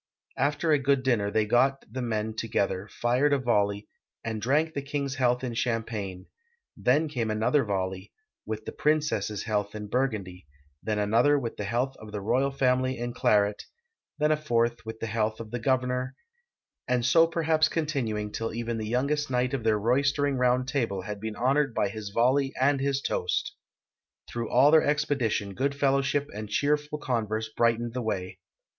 After a good dinner they got the men to gether, fired a volley, and drank the king's health in cham pagne; then came another volley, with the ])rincess's health in Burgundy ; then another, wdth the health of the royal family in claret ; then a fourth, with the health of the governor, and so perhaps continuing till even the youngest knight of their royster ing Round Table had been honored by his volley and his toast. Through all their expedition good fellowship and cheerful con verse brightened the way.